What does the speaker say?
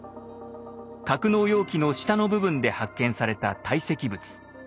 格納容器の下の部分で発見された堆積物。